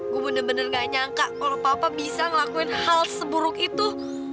gua benar benar gak nyangka kalau papa bisa ngelakuin hal seburuk itu